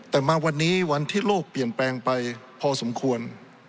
แต่มาวันนี้วันที่โลกเปลี่ยนแปลงไปพอสมควร